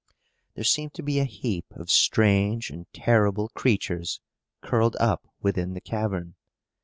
There seemed to be a heap of strange and terrible creatures curled up within the cavern.